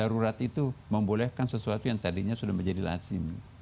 darurat itu membolehkan sesuatu yang tadinya sudah menjadi lazim